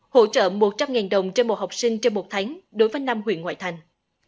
hỗ trợ một trăm linh đồng trên một học sinh trên một tháng đối với năm huyện ngoại thành